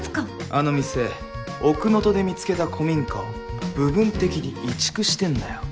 あの店奥能登で見つけた古民家を部分的に移築してんだよ。